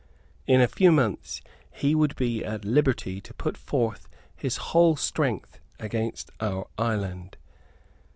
In a few months, he would be at liberty to put forth his whole strength against our island.